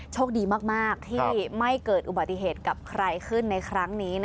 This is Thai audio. โชคดีมากที่ไม่เกิดอุบัติเหตุกับใครขึ้นในครั้งนี้